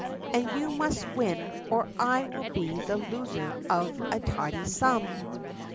And you must win, or I will be the loser of a tidy sum."